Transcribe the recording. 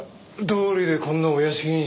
どうりでこんなお屋敷に。